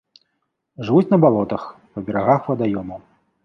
Жывуць на балотах, па берагах вадаёмаў.